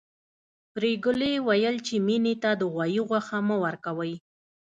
پريګلې ويل چې مينې ته د غوايي غوښه مه ورکوئ